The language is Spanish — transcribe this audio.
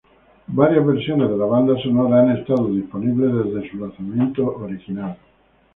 Varias versiones de la banda sonora han estado disponibles desde su lanzamiento original.